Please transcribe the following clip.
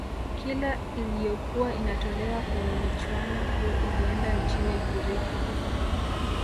kila iliyokuwa inatolewa kwenye michuano hiyo ilienda nchini ugiriki